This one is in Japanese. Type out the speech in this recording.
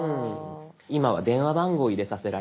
今は電話番号を入れさせられますね。